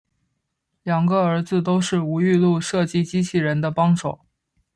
两个儿子都是吴玉禄设计机器人的帮手。